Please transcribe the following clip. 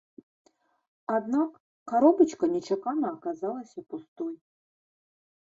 Аднак, каробачка нечакана аказалася пустой.